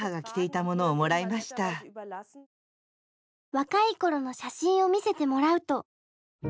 若い頃の写真を見せてもらうと。